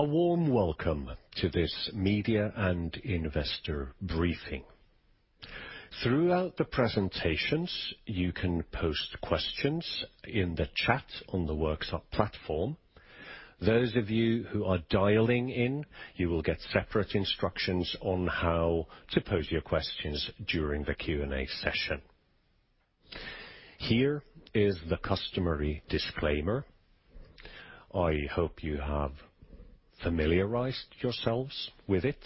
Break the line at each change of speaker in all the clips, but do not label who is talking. A warm welcome to this Media and Investor Briefing. Throughout the presentations, you can post questions in the chat on the workshop platform. Those of you who are dialing in, you will get separate instructions on how to pose your questions during the Q&A session. Here is the customary disclaimer. I hope you have familiarized yourselves with it.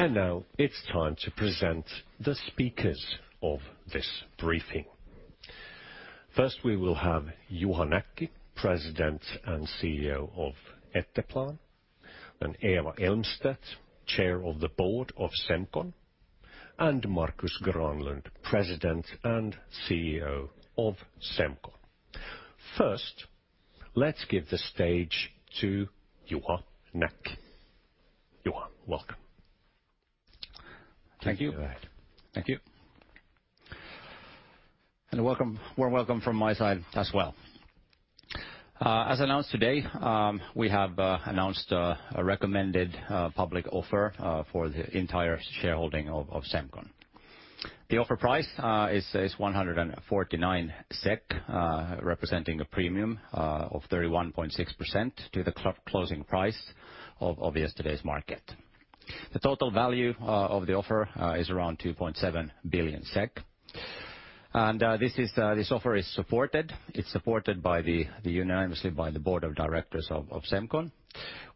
Now it's time to present the speakers of this briefing. First, we will have Juha Näkki, President and CEO of Etteplan, and Eva Elmstedt, Chair of the Board of Semcon, and Markus Granlund, President and CEO of Semcon. First, let's give the stage to Juha Näkki. Juha, welcome.
Thank you. Thank you. Welcome, warm welcome from my side as well. As announced today, we have announced a recommended public offer for the entire shareholding of Semcon. The offer price is 149 SEK, representing a premium of 31.6% to the closing price of yesterday's market. The total value of the offer is around 2.7 billion SEK. This offer is supported. It's supported unanimously by the board of directors of Semcon.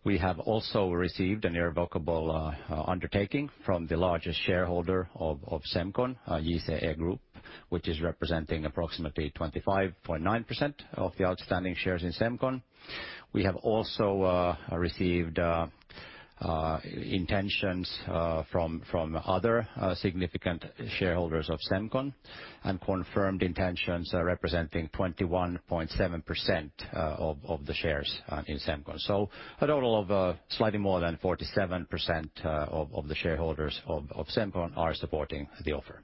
We have also received an irrevocable undertaking from the largest shareholder of Semcon, JCE Group, which is representing approximately 25.9% of the outstanding shares in Semcon. We have also received intentions from other significant shareholders of Semcon, and confirmed intentions representing 21.7% of the shares in Semcon. A total of slightly more than 47% of the shareholders of Semcon are supporting the offer.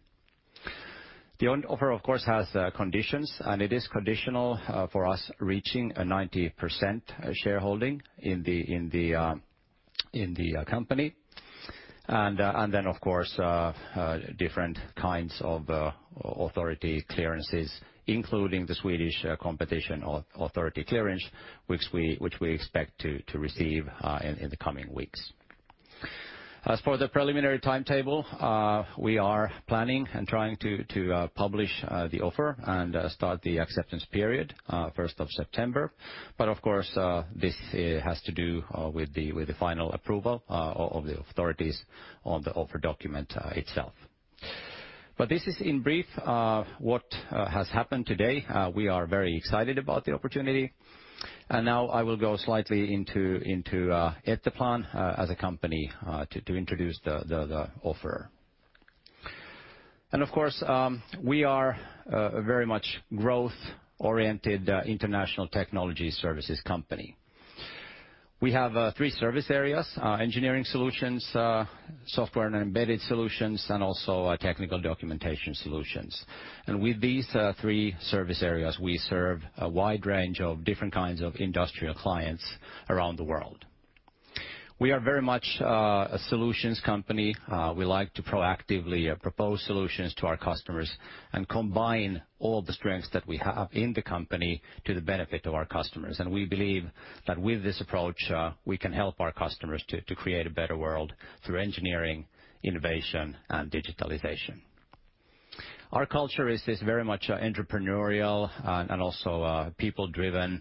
The offer, of course, has conditions, and it is conditional for us reaching a 90% shareholding in the company. Different kinds of authority clearances, including the Swedish Competition Authority clearance, which we expect to receive in the coming weeks. As for the preliminary timetable, we are planning and trying to publish the offer and start the acceptance period first of September. Of course, this has to do with the final approval of the authorities on the offer document itself. This is in brief what has happened today. We are very excited about the opportunity. Now I will go slightly into Etteplan as a company to introduce the offerer. Of course, we are a very much growth-oriented international technology services company. We have three service areas, Engineering Solutions, Software and Embedded Solutions, and also Technical Documentation Solutions. With these three service areas, we serve a wide range of different kinds of industrial clients around the world. We are very much a solutions company. We like to proactively propose solutions to our customers and combine all the strengths that we have in the company to the benefit of our customers. We believe that with this approach, we can help our customers to create a better world through engineering, innovation, and digitalization. Our culture is this very much entrepreneurial and also people-driven,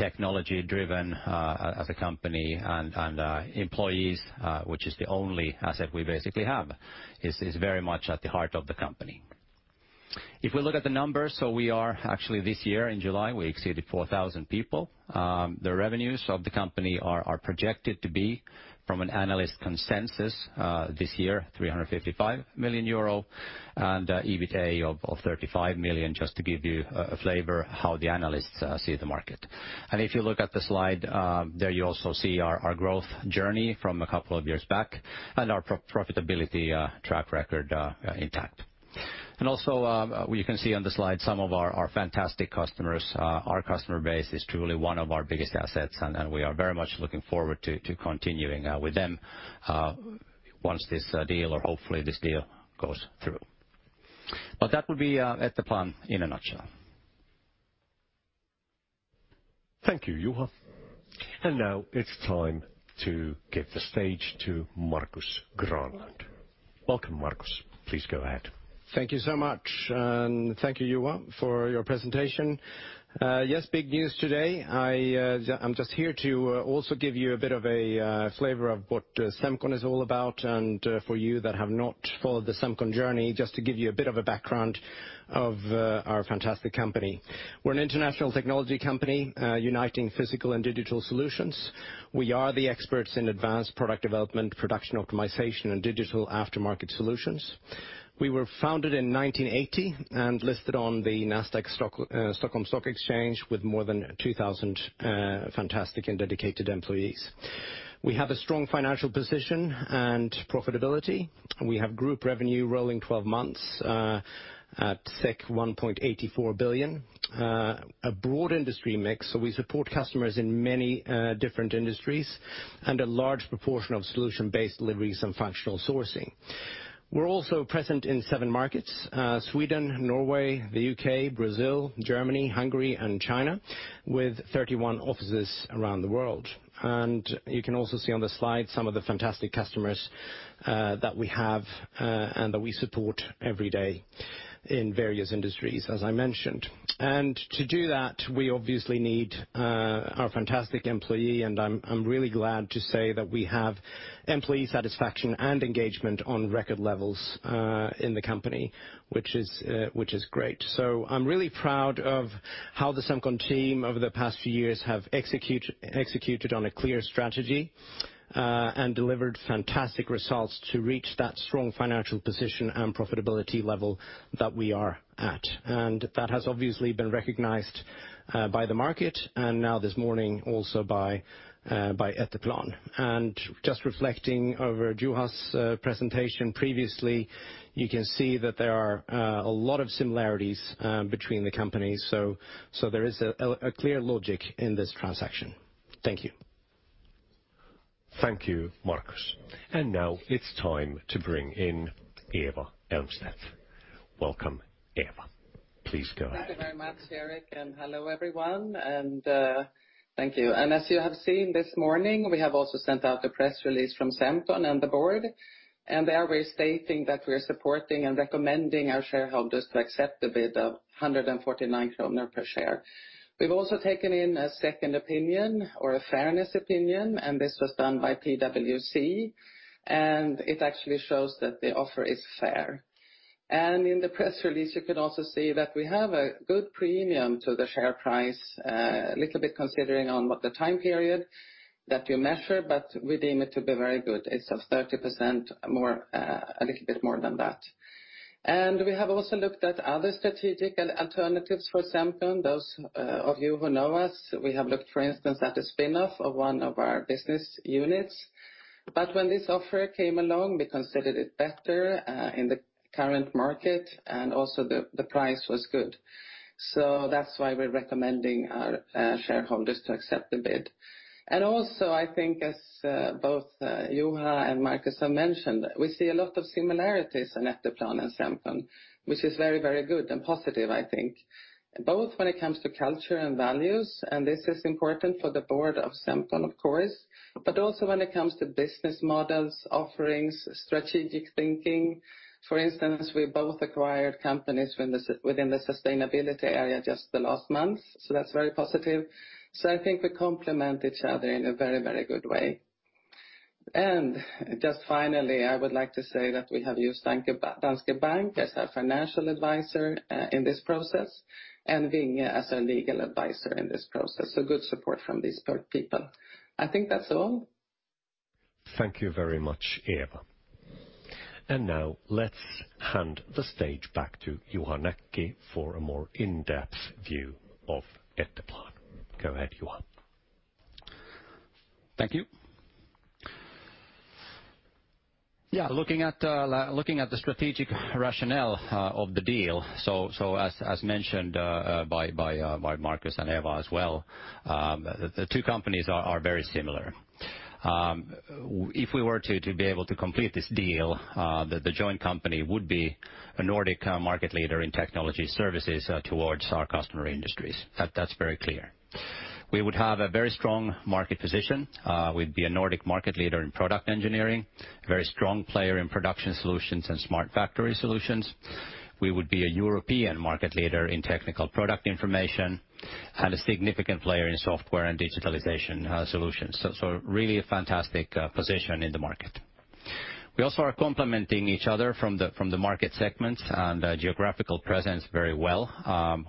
technology-driven as a company and employees which is the only asset we basically have. It's very much at the heart of the company. If we look at the numbers, we are actually this year in July, we exceeded 4,000 people. The revenues of the company are projected to be from an analyst consensus this year, 355 million euro and EBITA of 35 million, just to give you a flavor how the analysts see the market. If you look at the slide, there you also see our growth journey from a couple of years back and our profitability track record intact. You can see on the slide some of our fantastic customers. Our customer base is truly one of our biggest assets, and we are very much looking forward to continuing with them once this deal or hopefully this deal goes through. That would be Etteplan in a nutshell.
Thank you, Juha. Now it's time to give the stage to Markus Granlund. Welcome, Markus. Please go ahead.
Thank you so much. Thank you, Juha, for your presentation. Yes, big news today. I'm just here to also give you a bit of a flavor of what Semcon is all about. For you that have not followed the Semcon journey, just to give you a bit of a background of our fantastic company. We're an international technology company uniting physical and digital solutions. We are the experts in advanced product development, production optimization, and digital aftermarket solutions. We were founded in 1980 and listed on the Nasdaq Stockholm Stock Exchange with more than 2,000 fantastic and dedicated employees. We have a strong financial position and profitability. We have group revenue rolling 12 months at 1.84 billion. A broad industry mix, so we support customers in many different industries and a large proportion of solution-based deliveries and functional sourcing. We're also present in seven markets, Sweden, Norway, the U.K., Brazil, Germany, Hungary, and China, with 31 offices around the world. You can also see on the slide some of the fantastic customers that we have and that we support every day in various industries, as I mentioned. To do that, we obviously need our fantastic employee, and I'm really glad to say that we have employee satisfaction and engagement on record levels in the company, which is great. I'm really proud of how the Semcon team over the past few years have executed on a clear strategy, and delivered fantastic results to reach that strong financial position and profitability level that we are at. That has obviously been recognized by the market and now this morning also by Etteplan. Just reflecting over Juha's presentation previously, you can see that there are a lot of similarities between the companies. There is a clear logic in this transaction. Thank you. Thank you, Markus. Now it's time to bring in Eva Elmstedt. Welcome, Eva. Please go ahead
Thank you very much, Erik, and hello everyone. Thank you. As you have seen this morning, we have also sent out the press release from Semcon and the board, and there we're stating that we're supporting and recommending our shareholders to accept the bid of 149 kronor per share. We've also taken in a second opinion or a fairness opinion, and this was done by PwC, and it actually shows that the offer is fair. In the press release, you can also see that we have a good premium to the share price, a little bit considering on what the time period that you measure, but we deem it to be very good. It's of 30% more, a little bit more than that. We have also looked at other strategic alternatives for Semcon. Those of you who know us, we have looked, for instance, at the spin-off of one of our business units. When this offer came along, we considered it better in the current market, and also the price was good. That's why we're recommending our shareholders to accept the bid. I think as both Juha and Marcus have mentioned, we see a lot of similarities in Etteplan and Semcon, which is very, very good and positive, I think. Both when it comes to culture and values, and this is important for the board of Semcon, of course, but also when it comes to business models, offerings, strategic thinking. For instance, we both acquired companies within the sustainability area just the last month, so that's very positive. I think we complement each other in a very, very good way. Just finally, I would like to say that we have used Danske Bank as our financial advisor in this process and Vinge as our legal advisor in this process. Good support from these third parties. I think that's all.
Thank you very much, Eva. Now let's hand the stage back to Juha Näkki for a more in-depth view of Etteplan. Go ahead, Juha.
Thank you. Yeah, looking at the strategic rationale of the deal, as mentioned by Markus and Eva as well, the two companies are very similar. If we were to be able to complete this deal, the joint company would be a Nordic market leader in technology services towards our customer industries. That's very clear. We would have a very strong market position. We'd be a Nordic market leader in product engineering, a very strong player in production solutions and smart factory solutions. We would be a European market leader in technical product information and a significant player in software and digitalization solutions. Really a fantastic position in the market. We also are complementing each other from the market segments and geographical presence very well.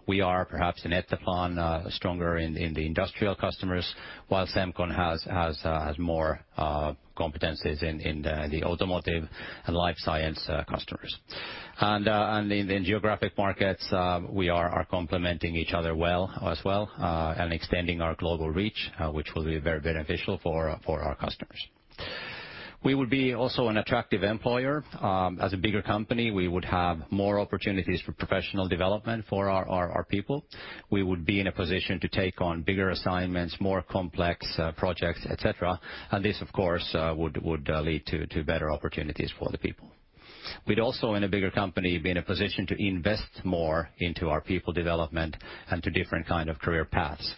We are perhaps in Etteplan stronger in the industrial customers, while Semcon has more competencies in the automotive and life science customers. In the geographic markets, we are complementing each other well, as well, and extending our global reach, which will be very beneficial for our customers. We would be also an attractive employer. As a bigger company, we would have more opportunities for professional development for our people. We would be in a position to take on bigger assignments, more complex projects, et cetera. This, of course, would lead to better opportunities for the people. We'd also, in a bigger company, be in a position to invest more into our people development and to different kind of career paths.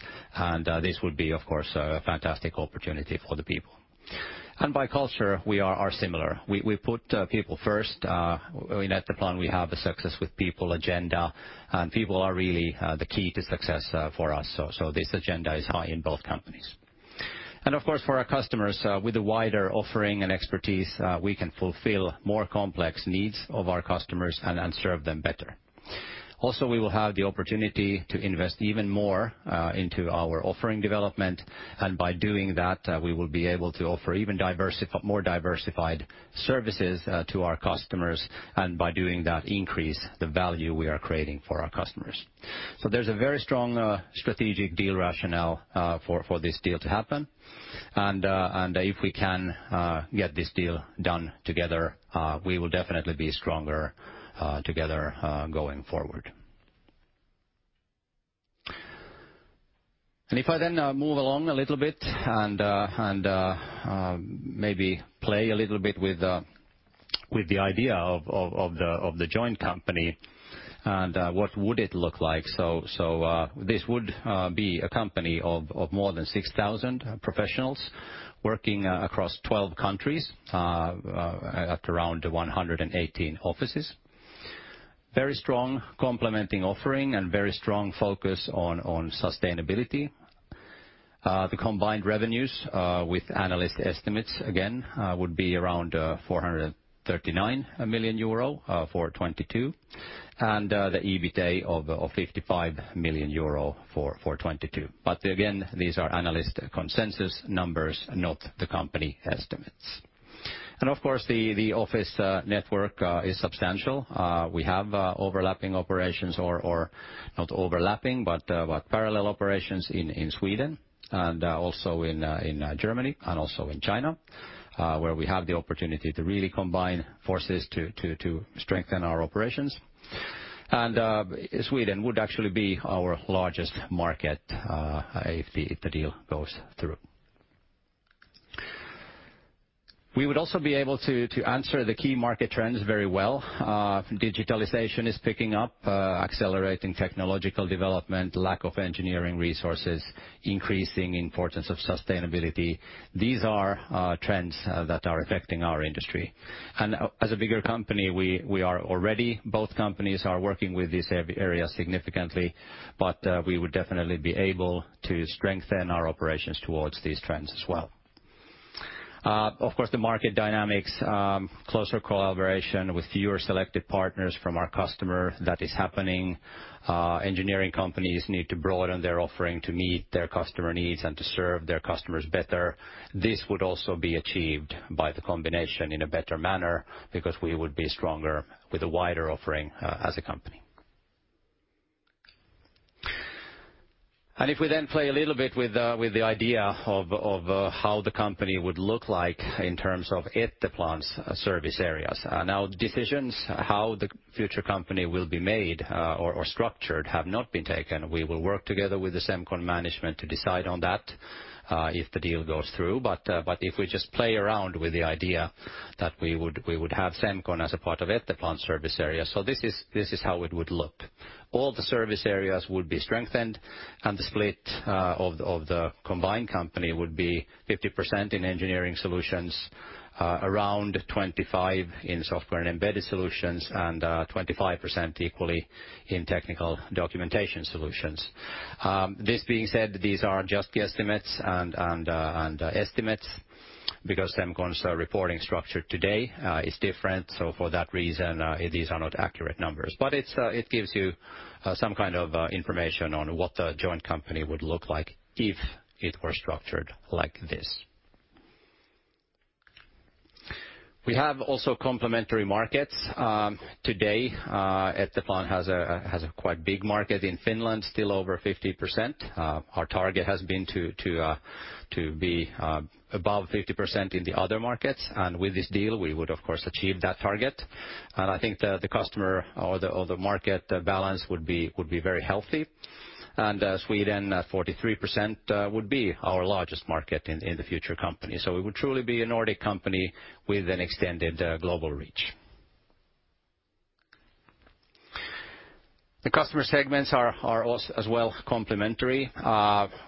This would be, of course, a fantastic opportunity for the people. By culture, we are similar. We put people first. In Etteplan, we have a success with people agenda, and people are really the key to success for us. This agenda is high in both companies. Of course, for our customers, with a wider offering and expertise, we can fulfill more complex needs of our customers and serve them better. Also, we will have the opportunity to invest even more into our offering development. By doing that, we will be able to offer even more diversified services to our customers and by doing that, increase the value we are creating for our customers. There's a very strong strategic deal rationale for this deal to happen. If we can get this deal done together, we will definitely be stronger together going forward. If I then move along a little bit and maybe play a little bit with the idea of the joint company and what would it look like? This would be a company of more than 6,000 professionals working across 12 countries at around 118 offices. Very strong complementary offering and very strong focus on sustainability. The combined revenues with analyst estimates again would be around 439 million euro for 2022. The EBITA of 55 million euro for 2022. Again, these are analyst consensus numbers, not the company estimates. Of course, the office network is substantial. We have overlapping operations or not overlapping, but parallel operations in Sweden and also in Germany and also in China, where we have the opportunity to really combine forces to strengthen our operations. Sweden would actually be our largest market if the deal goes through. We would also be able to answer the key market trends very well. Digitalization is picking up, accelerating technological development, lack of engineering resources, increasing importance of sustainability. These are trends that are affecting our industry. As a bigger company, we are already, both companies are working with this area significantly, but we would definitely be able to strengthen our operations towards these trends as well. Of course, the market dynamics, closer collaboration with fewer selected partners from our customer, that is happening. Engineering companies need to broaden their offering to meet their customer needs and to serve their customers better. This would also be achieved by the combination in a better manner because we would be stronger with a wider offering, as a company. If we then play a little bit with the idea of how the company would look like in terms of Etteplan's service areas. Now decisions how the future company will be made or structured have not been taken. We will work together with the Semcon management to decide on that if the deal goes through. If we just play around with the idea that we would have Semcon as a part of Etteplan service area. This is how it would look. All the service areas would be strengthened and the split of the combined company would be 50% in Engineering Solutions, around 25% in Software and Embedded Solutions, and 25% equally in Technical Documentation Solutions. This being said, these are just the estimates because Semcon's reporting structure today is different. For that reason, these are not accurate numbers. It gives you some kind of information on what the joint company would look like if it were structured like this. We have also complementary markets. Today, Etteplan has a quite big market in Finland, still over 50%. Our target has been to be above 50% in the other markets. With this deal, we would of course achieve that target. I think the customer or the market balance would be very healthy. Sweden, 43%, would be our largest market in the future company. We would truly be a Nordic company with an extended, global reach. The customer segments are as well complementary.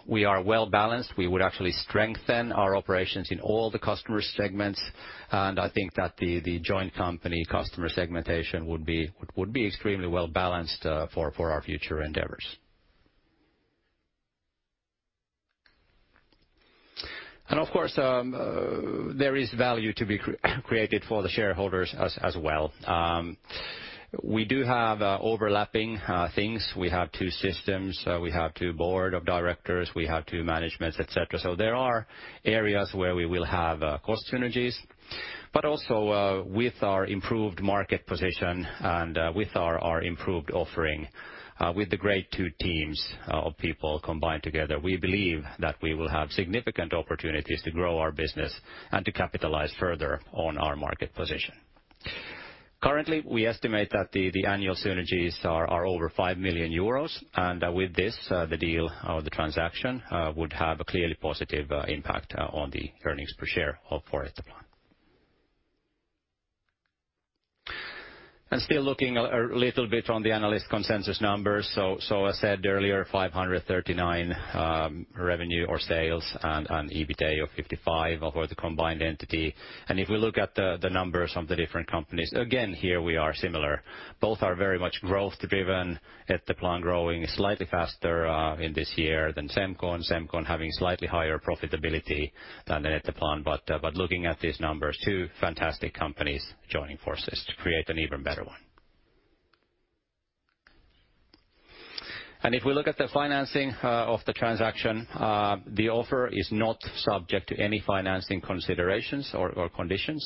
We are well-balanced. We would actually strengthen our operations in all the customer segments. I think that the joint company customer segmentation would be extremely well-balanced for our future endeavors. Of course, there is value to be created for the shareholders as well. We do have overlapping things. We have two systems, we have two board of directors, we have two managements, et cetera. There are areas where we will have cost synergies. Also, with our improved market position and, with our improved offering, with the great two teams, of people combined together, we believe that we will have significant opportunities to grow our business and to capitalize further on our market position. Currently, we estimate that the annual synergies are over 5 million euros, and with this, the deal or the transaction, would have a clearly positive impact on the earnings per share for Etteplan. Still looking a little bit on the analyst consensus numbers. I said earlier, 539 revenue or sales and EBITA of 55 for the combined entity. If we look at the numbers of the different companies, again, here we are similar. Both are very much growth-driven. Etteplan growing slightly faster in this year than Semcon. Semcon having slightly higher profitability than Etteplan. Looking at these numbers, two fantastic companies joining forces to create an even better one. If we look at the financing of the transaction, the offer is not subject to any financing considerations or conditions.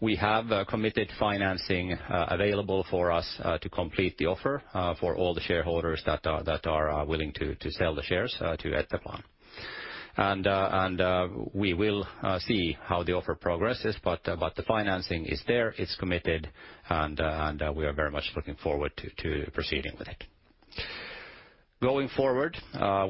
We have committed financing available for us to complete the offer for all the shareholders that are willing to sell the shares to Etteplan. We will see how the offer progresses, but the financing is there, it's committed, and we are very much looking forward to proceeding with it. Going forward,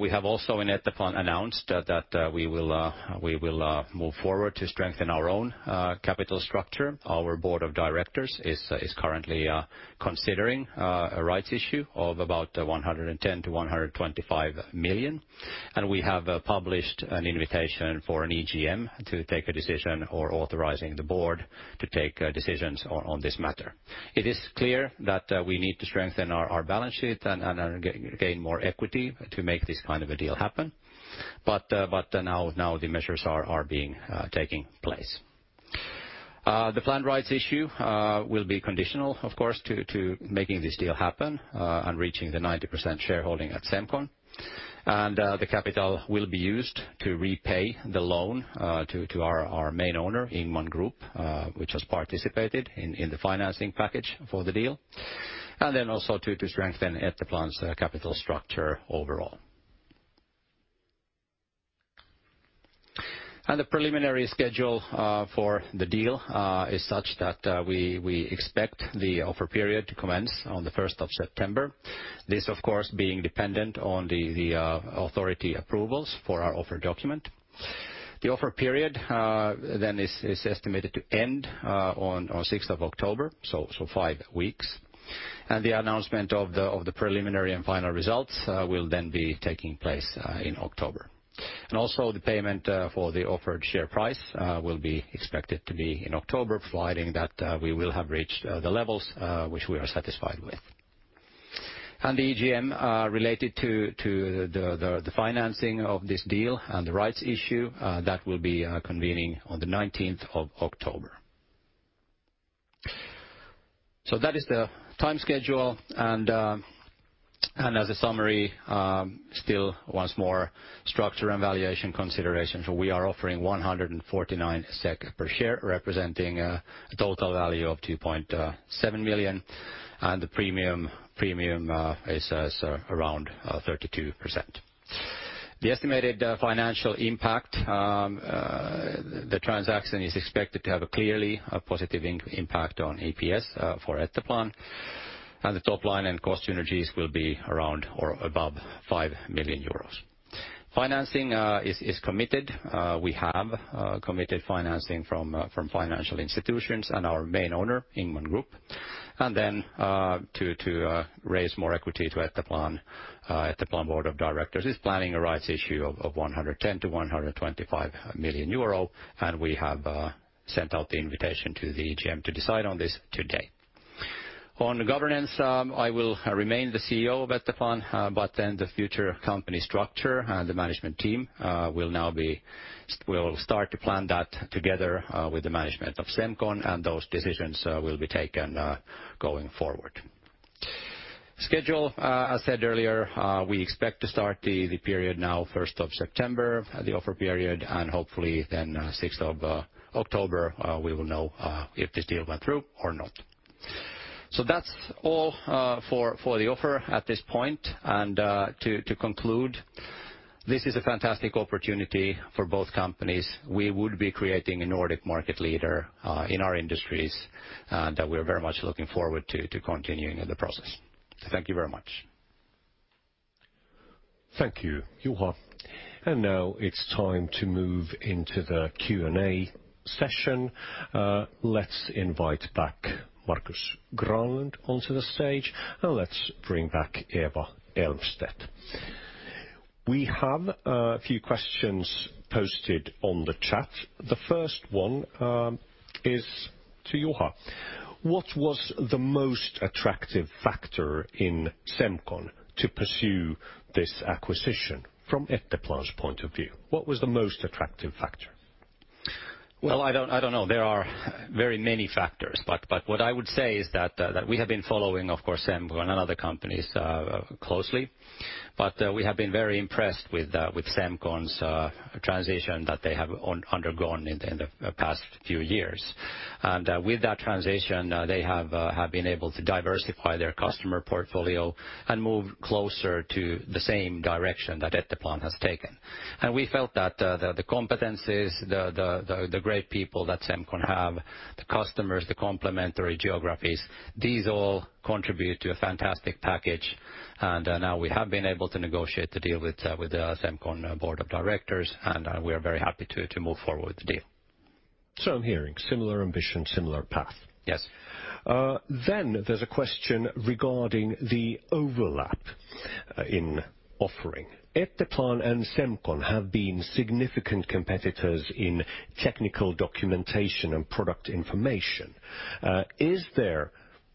we have also in Etteplan announced that we will move forward to strengthen our own capital structure. Our board of directors is currently considering a rights issue of about 110 million-125 million. We have published an invitation for an EGM to take a decision or authorizing the board to take decisions on this matter. It is clear that we need to strengthen our balance sheet and gain more equity to make this kind of a deal happen. Now the measures are being taken. The planned rights issue will be conditional, of course, to making this deal happen and reaching the 90% shareholding at Semcon. The capital will be used to repay the loan to our main owner, Ingman Group, which has participated in the financing package for the deal. Then also to strengthen Etteplan's capital structure overall. The preliminary schedule for the deal is such that we expect the offer period to commence on the first of September. This, of course, being dependent on the authority approvals for our offer document. The offer period then is estimated to end on sixth of October, so five weeks. The announcement of the preliminary and final results will then be taking place in October. Also the payment for the offered share price will be expected to be in October, providing that we will have reached the levels which we are satisfied with. The EGM related to the financing of this deal and the rights issue that will be convening on the nineteenth of October. That is the time schedule. As a summary, still once more structure and valuation considerations. We are offering 149 SEK per share, representing a total value of 2.7 million, and the premium is around 32%. The estimated financial impact the transaction is expected to have a clearly positive impact on EPS for Etteplan. The top line and cost synergies will be around or above 5 million euros. Financing is committed. We have committed financing from financial institutions and our main owner, Ingman Group. To raise more equity to Etteplan board of directors is planning a rights issue of 110 million-125 million euro, and we have sent out the invitation to the EGM to decide on this today. On governance, I will remain the CEO of Etteplan, but then the future company structure and the management team, we'll start to plan that together with the management of Semcon, and those decisions will be taken going forward. Schedule, as said earlier, we expect to start the period now first of September, the offer period, and hopefully then, sixth of October, we will know if this deal went through or not. That's all for the offer at this point. To conclude, this is a fantastic opportunity for both companies. We would be creating a Nordic market leader in our industries that we are very much looking forward to continuing in the process. Thank you very much.
Thank you, Juha. Now it's time to move into the Q&A session. Let's invite back Markus Granlund onto the stage, and let's bring back Eva Elmstedt. We have a few questions posted on the chat. The first one is to Juha. What was the most attractive factor in Semcon to pursue this acquisition from Etteplan's point of view? What was the most attractive factor?
Well, I don't know. There are very many factors, but what I would say is that we have been following, of course, Semcon and other companies closely, but we have been very impressed with Semcon's transition that they have undergone in the past few years. With that transition, they have been able to diversify their customer portfolio and move closer to the same direction that Etteplan has taken. We felt that the great people that Semcon have, the customers, the complementary geographies, these all contribute to a fantastic package. Now we have been able to negotiate the deal with the Semcon board of directors, and we are very happy to move forward with the deal.
I'm hearing similar ambition, similar path.
Yes.
There's a question regarding the overlap in offering. Etteplan and Semcon have been significant competitors in technical documentation and product information. Is there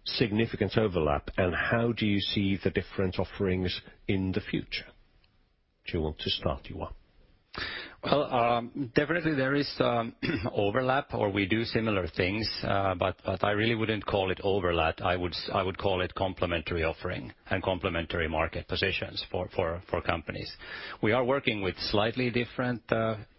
significant overlap, and how do you see the different offerings in the future? Do you want to start, Juha? Well, definitely there is overlap or we do similar things, but I really wouldn't call it overlap. I would call it complementary offering and complementary market positions for companies. We are working with slightly different,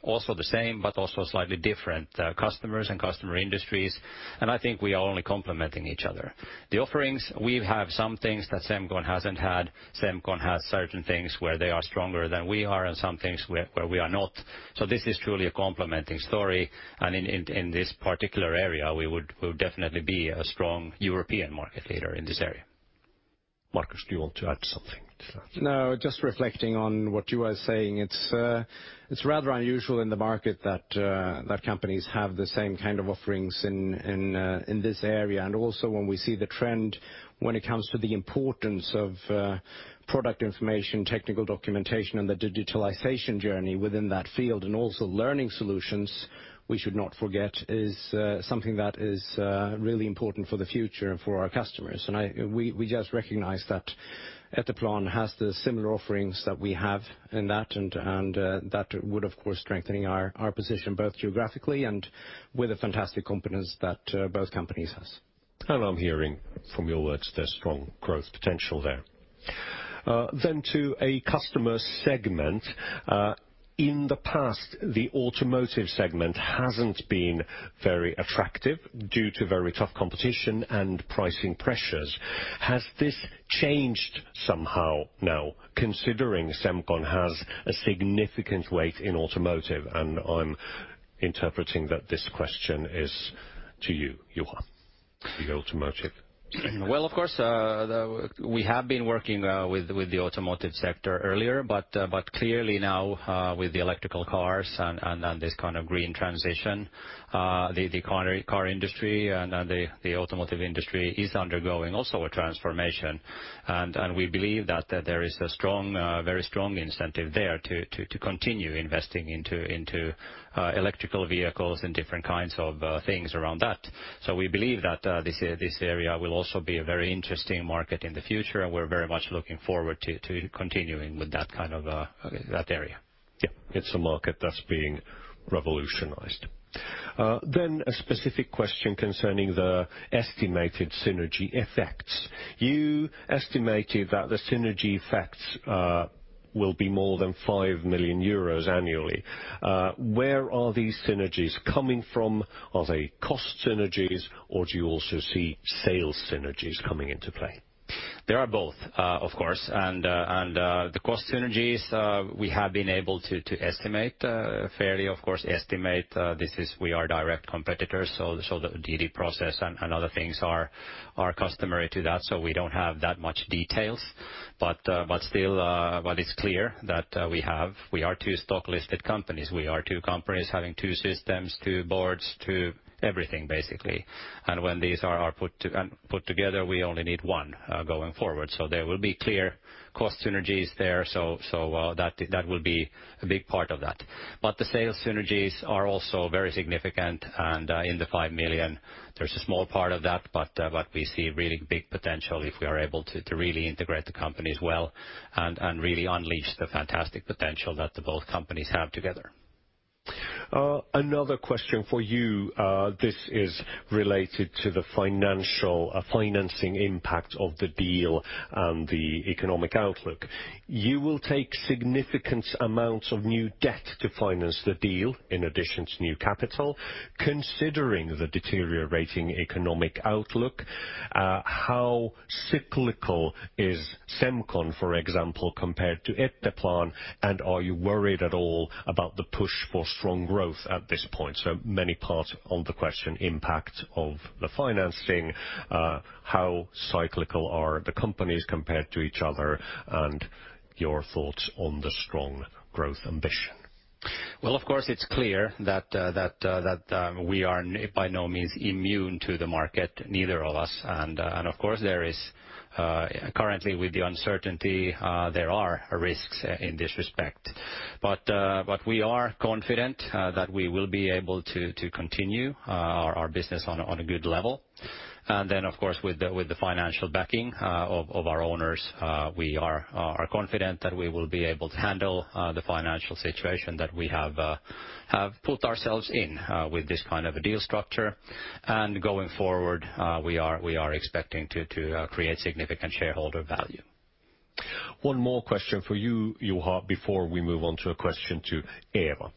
also the same, but also slightly different, customers and customer industries, and I think we are only complementing each other. The offerings, we have some things that Semcon hasn't had. Semcon has certain things where they are stronger than we are and some things where we are not.
This is truly a complementing story, and in this particular area, we would definitely be a strong European market leader in this area. Markus, do you want to add something to that?
No, just reflecting on what you are saying. It's rather unusual in the market that companies have the same kind of offerings in this area. Also when we see the trend when it comes to the importance of product information, technical documentation, and the digitalization journey within that field and also learning solutions, we should not forget, is something that is really important for the future and for our customers. We just recognize that Etteplan has the similar offerings that we have in that and that would, of course, strengthening our position both geographically and with the fantastic components that both companies has.
I'm hearing from your words there's strong growth potential there. To a customer segment. In the past, the automotive segment hasn't been very attractive due to very tough competition and pricing pressures. Has this changed somehow now, considering Semcon has a significant weight in automotive? I'm interpreting that this question is to you, Juha, the automotive segment.
Well, of course, we have been working with the automotive sector earlier, but clearly now, with the electric cars and this kind of green transition, the car industry and the automotive industry is undergoing also a transformation. We believe that there is a strong, very strong incentive there to continue investing into electric vehicles and different kinds of things around that. We believe that this area will also be a very interesting market in the future, and we're very much looking forward to continuing with that kind of area.
Yeah. It's a market that's being revolutionized. A specific question concerning the estimated synergy effects. You estimated that the synergy effects will be more than 5 million euros annually. Where are these synergies coming from? Are they cost synergies, or do you also see sales synergies coming into play?
There are both, of course. The cost synergies we have been able to estimate fairly, of course. This is, we are direct competitors, so the DD process and other things are customary to that, so we don't have that much details. It is clear that we are two stock-listed companies. We are two companies having two systems, two boards, two everything, basically. When these are put together, we only need one going forward. There will be clear cost synergies there, that will be a big part of that. The sales synergies are also very significant and, in the 5 million, there's a small part of that, but we see really big potential if we are able to to really integrate the companies well and really unleash the fantastic potential that the both companies have together.
Another question for you. This is related to the financial, financing impact of the deal and the economic outlook. You will take significant amounts of new debt to finance the deal in addition to new capital. Considering the deteriorating economic outlook, how cyclical is Semcon, for example, compared to Etteplan, and are you worried at all about the push for strong growth at this point? Many parts on the question, impact of the financing, how cyclical are the companies compared to each other, and your thoughts on the strong growth ambition.
Well, of course, it's clear that we are by no means immune to the market, neither of us. Of course, there is currently with the uncertainty, there are risks in this respect. We are confident that we will be able to continue our business on a good level. Of course, with the financial backing of our owners, we are confident that we will be able to handle the financial situation that we have put ourselves in with this kind of a deal structure. Going forward, we are expecting to create significant shareholder value.
One more question for you, Juha, before we move on to a question to Eva.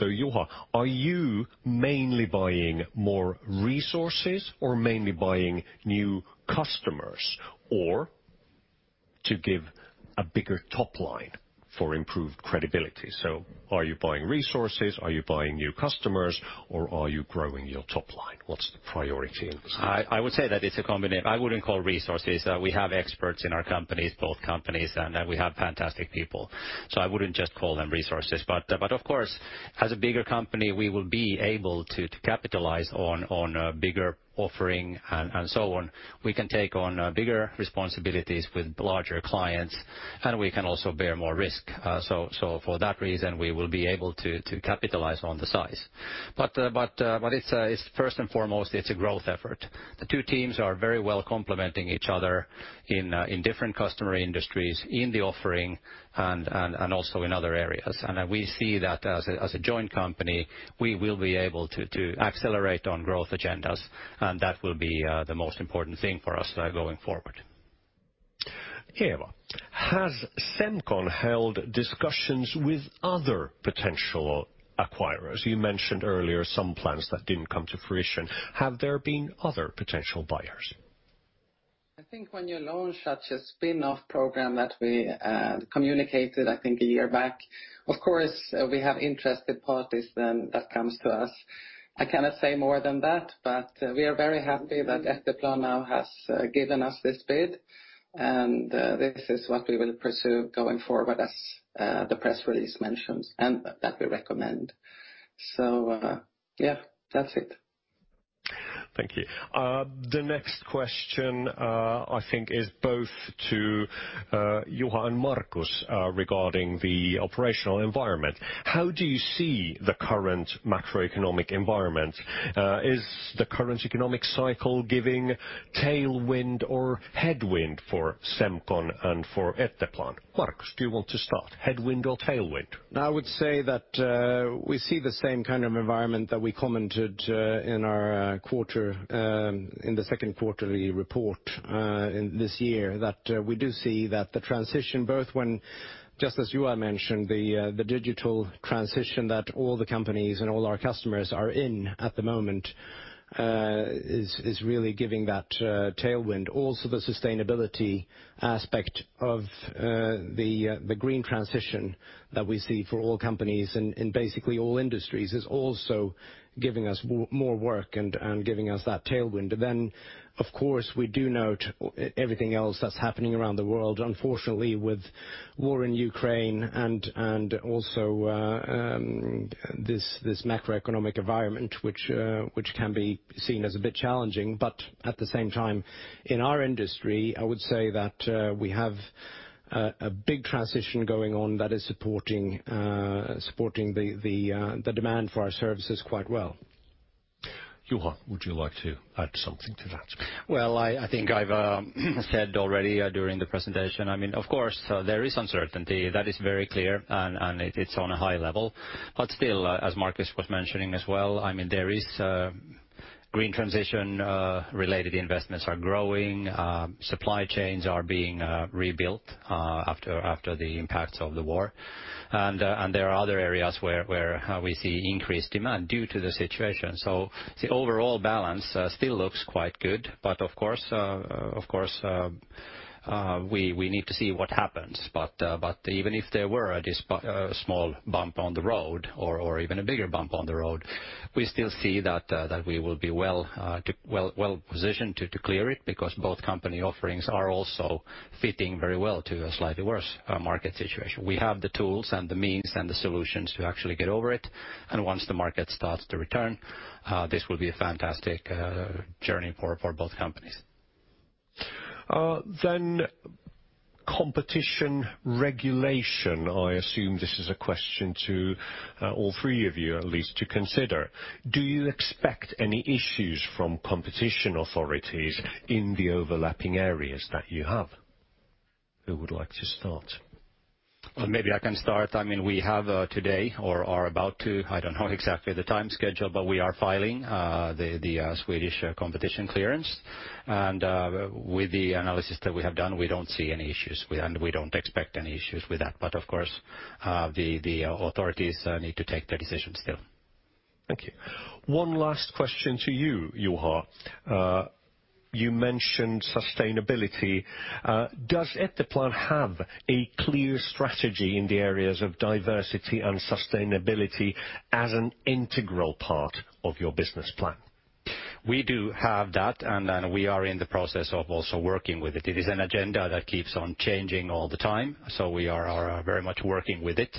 Juha, are you mainly buying more resources or mainly buying new customers or to give a bigger top line for improved credibility? Are you buying resources, are you buying new customers, or are you growing your top line? What's the priority in this case?
I would say that it's a combination. I wouldn't call resources. We have experts in our companies, both companies, and we have fantastic people. I wouldn't just call them resources. Of course, as a bigger company, we will be able to capitalize on a bigger offering and so on. We can take on bigger responsibilities with larger clients, and we can also bear more risk. For that reason, we will be able to capitalize on the size. It's first and foremost a growth effort. The two teams are very well complementing each other in different customer industries, in the offering and also in other areas. We see that as a joint company, we will be able to accelerate on growth agendas, and that will be the most important thing for us going forward.
Eva, has Semcon held discussions with other potential acquirers? You mentioned earlier some plans that didn't come to fruition. Have there been other potential buyers?
I think when you launch such a spin-off program that we communicated, I think a year back, of course, we have interested parties then that comes to us. I cannot say more than that, but we are very happy that Etteplan now has given us this bid, and this is what we will pursue going forward as the press release mentions and that we recommend. Yeah, that's it.
Thank you. The next question, I think is both to Juha and Markus, regarding the operational environment. How do you see the current macroeconomic environment? Is the current economic cycle giving tailwind or headwind for Semcon and for Etteplan? Markus, do you want to start, headwind or tailwind?
I would say that we see the same kind of environment that we commented in our quarter in the second quarterly report in this year. That we do see that the transition, both when, just as Juha mentioned, the digital transition that all the companies and all our customers are in at the moment is really giving that tailwind. Also, the sustainability aspect of the green transition that we see for all companies and basically all industries is also giving us more work and giving us that tailwind. Then, of course, we do note everything else that's happening around the world, unfortunately, with war in Ukraine and also this macroeconomic environment, which can be seen as a bit challenging. At the same time, in our industry, I would say that we have a big transition going on that is supporting the demand for our services quite well.
Juha, would you like to add something to that?
I think I've said already during the presentation. I mean, of course, there is uncertainty. That is very clear, and it's on a high level, but still, as Markus was mentioning as well, I mean, there is green transition related investments are growing, supply chains are being rebuilt after the impacts of the war. There are other areas where we see increased demand due to the situation. The overall balance still looks quite good. Of course, we need to see what happens. Even if there were a small bump on the road or even a bigger bump on the road, we still see that we will be well to. Well positioned to clear it because both company offerings are also fitting very well to a slightly worse market situation. We have the tools and the means and the solutions to actually get over it. Once the market starts to return, this will be a fantastic journey for both companies.
Competition regulation. I assume this is a question to, all three of you at least to consider. Do you expect any issues from competition authorities in the overlapping areas that you have? Who would like to start?
Maybe I can start. I mean, we have today or are about to, I don't know exactly the time schedule, but we are filing the Swedish competition clearance. With the analysis that we have done, we don't see any issues. We don't expect any issues with that. Of course, the authorities need to take their decisions still.
Thank you. One last question to you, Juha. You mentioned sustainability. Does Etteplan have a clear strategy in the areas of diversity and sustainability as an integral part of your business plan?
We do have that, and then we are in the process of also working with it. It is an agenda that keeps on changing all the time, so we are very much working with it.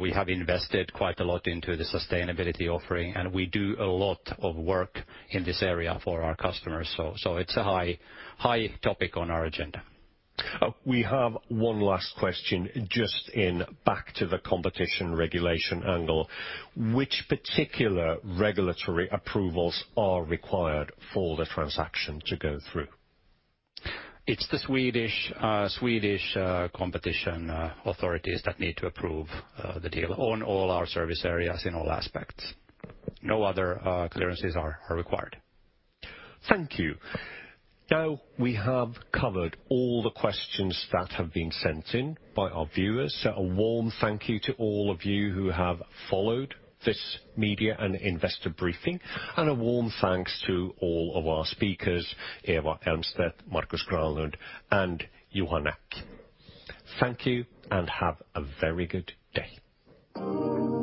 We have invested quite a lot into the sustainability offering, and we do a lot of work in this area for our customers. It's a high topic on our agenda.
We have one last question, just going back to the competition regulation angle. Which particular regulatory approvals are required for the transaction to go through?
It's the Swedish competition authorities that need to approve the deal on all our service areas in all aspects. No other clearances are required.
Thank you. Now, we have covered all the questions that have been sent in by our viewers. A warm thank you to all of you who have followed this media and investor briefing, and a warm thanks to all of our speakers, Eva Elmstedt, Markus Granlund, and Juha Näkki. Thank you and have a very good day.